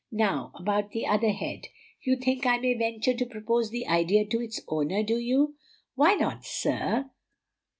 Now, about the other head; you think I may venture to propose the idea to its owner, do you?" "Why not, sir?